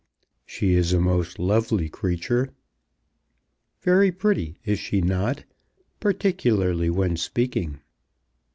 "She is a most lovely creature." "Very pretty, is she not; particularly when speaking?